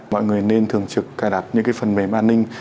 mọi người nên thường trực cài đặt những cái phần mềm an ninh